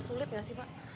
sulit nggak sih pak